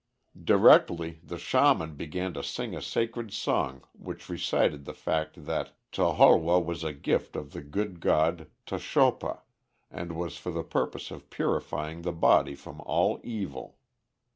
Directly the shaman began to sing a sacred song which recited the fact that Toholwoh was a gift of the good god, Tochopa, and was for the purpose of purifying the body from all evil.